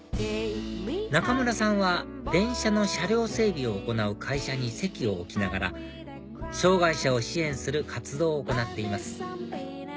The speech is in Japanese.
中村さんは電車の車両整備を行う会社に籍を置きながら障害者を支援する活動を行っています